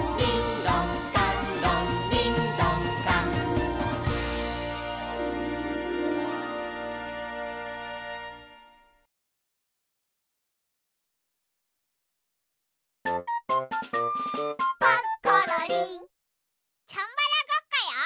チャンバラごっこよ。